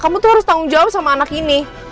kamu tuh harus tanggung jawab sama anak ini